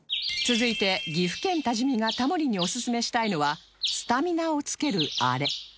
続いて岐阜県多治見がタモリにオススメしたいのはスタミナをつけるあれ